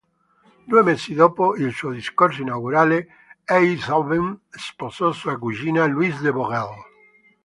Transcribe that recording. Due mesi dopo il suo discorso inaugurale Einthoven sposò sua cugina Louise de Vogel.